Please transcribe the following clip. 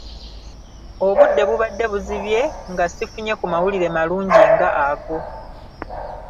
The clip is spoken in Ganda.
Obudde bubadde buzibye nga sifunye ku mawulire malungi nga ago.